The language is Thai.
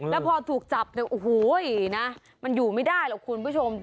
แล้วพอถูกจับเนี่ยโอ้โหนะมันอยู่ไม่ได้หรอกคุณผู้ชม